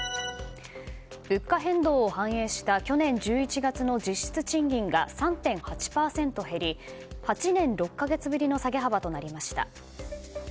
物価変動を反映した去年１１月の実質賃金が３．８％減り８年６か月ぶりの下げ幅となりました。